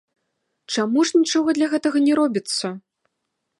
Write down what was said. Чаму ж нічога для гэтага не робіцца?